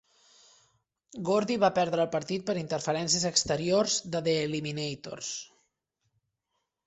Gordy va perdre el partit per interferències exteriors de The Eliminators.